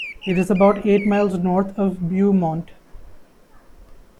It is about eight miles north of Beaumont.